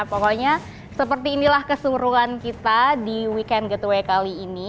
pokoknya seperti inilah kesuruhan kita di weekend getaway kali ini